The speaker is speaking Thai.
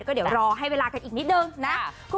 ก็เดี๋ยวรอให้เวลากันอีกนิดนึงนะ